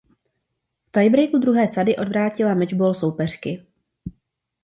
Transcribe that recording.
V tiebreaku druhé sady odvrátila mečbol soupeřky.